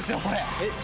えっ？